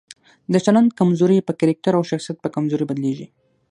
د چلند کمزوري په کرکټر او شخصیت په کمزورۍ بدليږي.